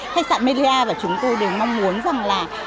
khách sạn melia và chúng tôi đều mong muốn rằng là